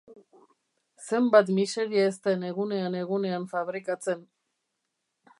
Zenbat miseria ez den egunean-egunean fabrikatzen!